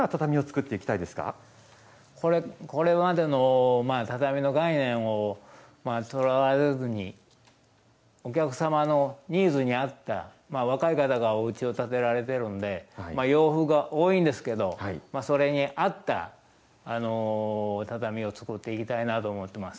これまでの畳の概念をとらわれずにお客様のニーズに合った若い方がおうちを建てられてるんで洋風が多いんですけどそれに合った畳を作っていきたいなと思ってます。